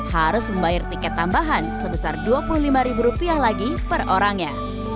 harus membayar tiket tambahan sebesar dua puluh lima ribu rupiah lagi per orangnya